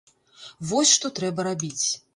Вось што трэба рабіць.